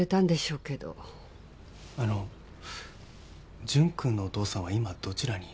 あの潤君のお父さんは今どちらに？